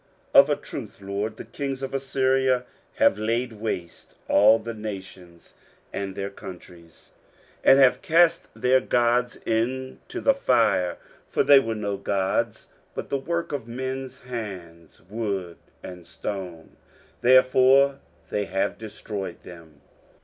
23:037:018 Of a truth, LORD, the kings of Assyria have laid waste all the nations, and their countries, 23:037:019 And have cast their gods into the fire: for they were no gods, but the work of men's hands, wood and stone: therefore they have destroyed them.